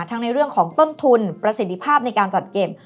ในเรื่องของต้นทุนประสิทธิภาพในการจัดเก็บ